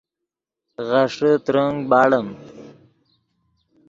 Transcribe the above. غیݰے ترنگ باڑیم